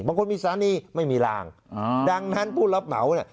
บางคนมีสถานีไม่มีลางดังนั้นผู้รับเหมาเนี่ย